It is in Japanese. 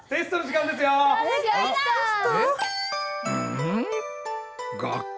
うん？